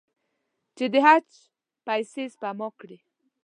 چې د حج پیسې سپما کړي.